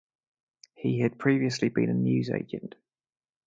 He had previously been a newsagent.